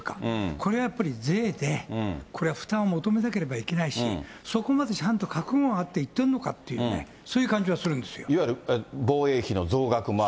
これはやっぱり税で、これは負担を求めなければいけないし、そこまでちゃんと覚悟があって言ってるのかっていうね、そういういわゆる防衛費の増額もある。